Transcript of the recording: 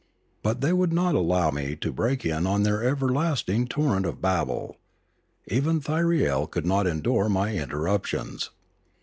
But they would not allow me to break in on their everlasting torrent of babble; even Thyriel could not endure my interruptions.